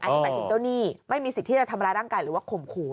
อันนี้หมายถึงเจ้าหนี้ไม่มีสิทธิ์ที่จะทำร้ายร่างกายหรือว่าข่มขู่